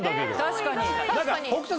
確かに。